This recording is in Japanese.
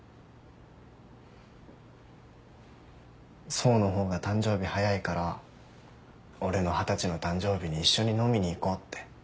想の方が誕生日早いから俺の二十歳の誕生日に一緒に飲みに行こうって。